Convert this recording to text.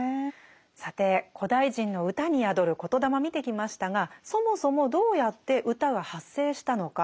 さて古代人の歌に宿る言霊見てきましたがそもそもどうやって歌が発生したのか。